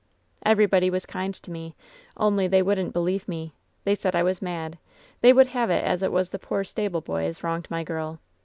"Everybody was kind to me, only they wouldn't be lieve me. They said I was mad. They would have it as it was the poor stableboy as wronged my girl.